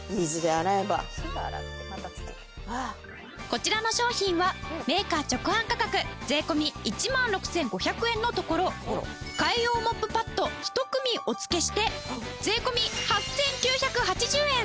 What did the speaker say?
こちらの商品はメーカー直販価格税込１万６５００円のところ替え用モップパッド１組お付けして税込８９８０円。